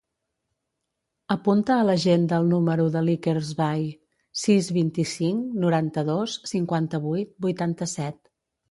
Apunta a l'agenda el número de l'Iker Sbai: sis, vint-i-cinc, noranta-dos, cinquanta-vuit, vuitanta-set.